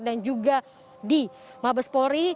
dan juga di mabespori